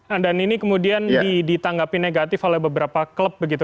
anda ini kemudian ditanggapi negatif oleh beberapa klub begitu